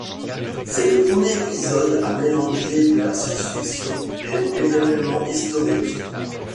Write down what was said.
C'est le premier épisode à mélanger de la science-fiction et évènements historiques.